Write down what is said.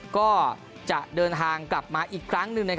ก็จะเดินทางกลับมาอีกครั้งหนึ่ง